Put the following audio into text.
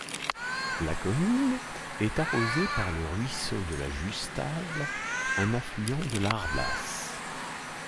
La commune est arrosée par le Ruisseau de la Justale, un affluent de l'Arbas.